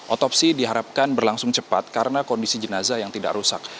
otopsi diharapkan berlangsung cepat karena kondisi jenazah yang tidak rusak